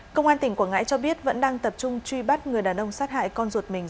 công an tỉnh quảng ngãi cho biết vẫn đang tập trung truy bắt người đàn ông sát hại con ruột mình